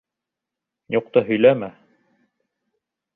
— Юҡты һөйләмә!